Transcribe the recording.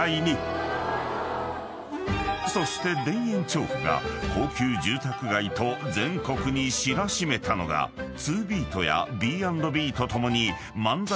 ［そして田園調布が高級住宅街と全国に知らしめたのがツービートやＢ＆Ｂと共に］